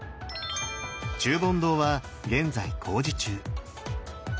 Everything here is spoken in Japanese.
中品堂は現在工事中。